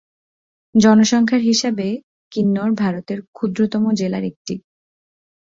জনসংখ্যার হিসাবে, কিন্নর ভারতের ক্ষুদ্রতম জেলার একটি।